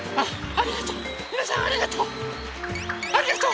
ありがとう。